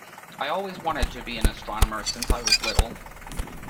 I always wanted to be an astronomer since I was little.